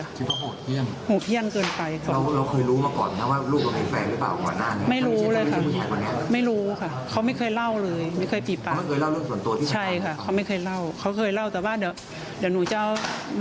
คืออยู่ดีเขามีเหตุนี้ขึ้นไหมครับท่านแม่นครับ